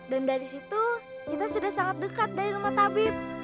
dan dari situ kita sudah sangat dekat dari rumah tabib